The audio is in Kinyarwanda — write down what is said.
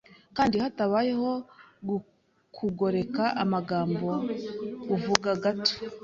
Kandi hatabayeho kugoreka amagambo uvuga gato